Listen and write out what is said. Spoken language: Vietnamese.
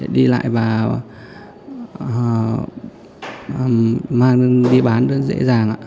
đi lại và mang đi bán rất dễ dàng